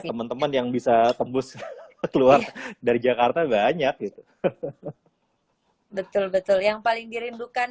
teman teman yang bisa tembus keluar dari jakarta banyak gitu betul betul yang paling dirindukan